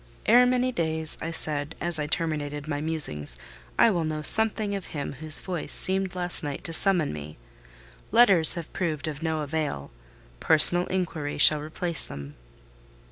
"Ere many days," I said, as I terminated my musings, "I will know something of him whose voice seemed last night to summon me. Letters have proved of no avail—personal inquiry shall replace them."